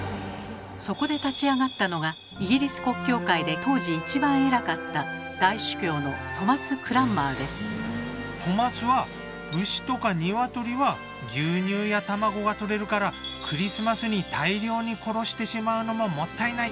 そこで立ち上がったのがイギリス国教会で当時一番偉かったトマスは牛とか鶏は牛乳や卵がとれるからクリスマスに大量に殺してしまうのももったいない。